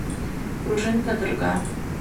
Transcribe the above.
Пружин кадырга.